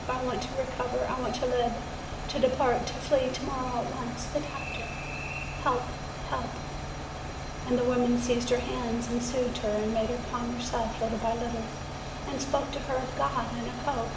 I want to recover; I want to live, to depart, to flee, to morrow, at once ! The doctor ! Help ! help !" And the \vomen seized her hands an'd soothed her, and made her calm herself little by little, and spoke to her of God and of hope.